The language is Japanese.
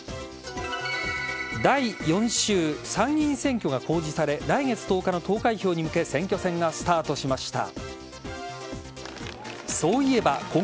第４週参議院選挙が公示され来月１０日の投開票に向け選挙戦がスタートしました。